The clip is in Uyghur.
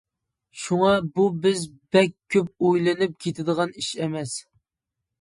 شۇڭا، بۇ بىز بەك كۆپ ئويلىنىپ كېتىدىغان ئىش ئەمەس.